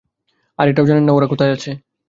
আর এটাও জানেন না ওরা কোথায় আছে?